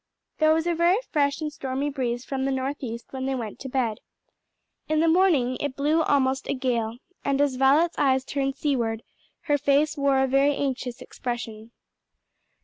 There was a very fresh and stormy breeze from the north east when they went to bed. In the morning it blew almost a gale, and as Violet's eyes turned seaward her face wore a very anxious expression.